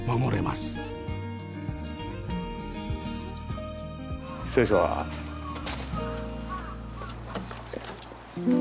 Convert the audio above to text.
すいません。